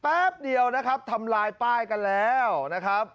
แป๊บเดียวนะครับทำลายป้ายกันแล้วนะครับ